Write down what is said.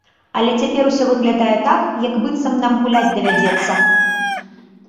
Але цяпер усё выглядае так, як быццам нам гуляць давядзецца.